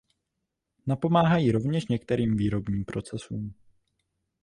Napomáhají rovněž některým výrobním procesům.